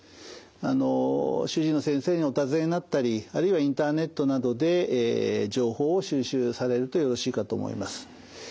あの主治医の先生にお尋ねになったりあるいはインターネットなどで情報を収集されるとよろしいかと思います。